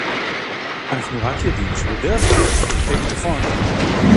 אנחנו רק יודעים שבדרך כלל שירותי ביטחון